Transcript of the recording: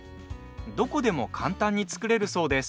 どこでも簡単に作れるそうです。